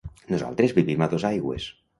Nosaltres vivim a Dosaigües.